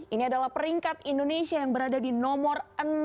ini adalah peringkat indonesia yang berada di nomor enam